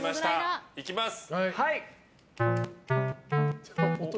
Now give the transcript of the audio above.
いきます。